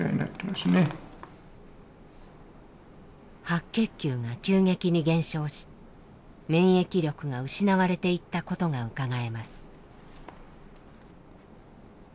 白血球が急激に減少し免疫力が失われていったことがうかがえます。